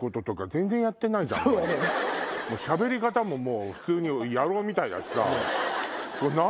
しゃべり方も普通に野郎みたいだしさ。